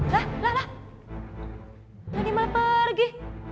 lah lah lah nenek malah pergi